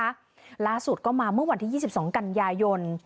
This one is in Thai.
ล่าสุดก็มาเมื่อวันที่๒๒กันยายน